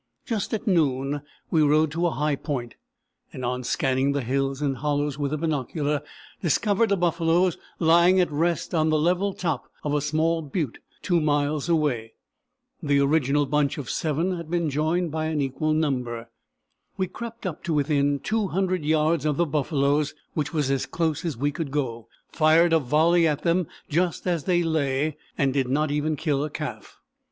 Just at noon we rode to a high point, and on scanning the hills and hollows with the binocular discovered the buffaloes lying at rest on the level top of a small butte 2 miles away. The original bunch of seven had been joined by an equal number. We crept up to within 200 yards of the buffaloes, which was as close as we could go, fired a volley at them just as they lay, and did not even kill a calf!